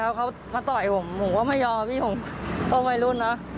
ใช่เขามาต่อยผมผมก็ไม่ยอมผมก็ไม่รุนนะ